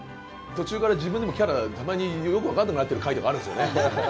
途中から自分でもキャラたまによく分かんなくなってる回とかあるんですよね。